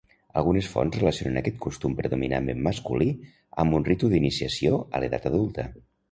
Algunes fonts relacionen aquest costum predominantment masculí amb un ritu d'iniciació a l'edat adulta.